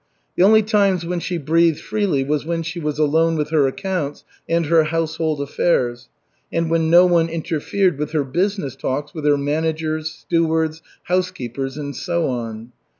The only times when she breathed freely was when she was alone with her accounts and her household affairs, and when no one interfered with her business talks with her managers, stewards, housekeepers, and so on.